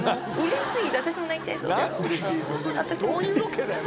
どういうロケだよ？